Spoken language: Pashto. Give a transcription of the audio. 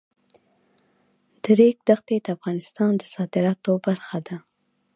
د ریګ دښتې د افغانستان د صادراتو برخه ده.